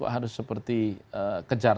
harus seperti kejar